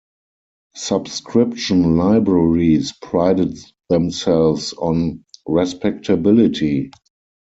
Subscription libraries prided themselves on respectability.